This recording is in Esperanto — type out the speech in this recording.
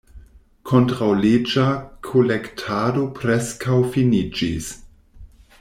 Kontraŭleĝa kolektado preskaŭ finiĝis.